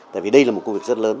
tại vì đây là một công việc rất lớn